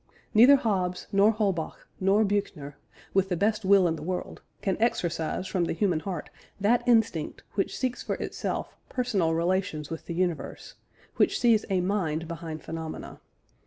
Neither Hobbes, nor Holbach, nor Büchner, with the best will in the world, can exorcise from the human heart that instinct which seeks for itself personal relations with the universe which sees a mind behind phenomena.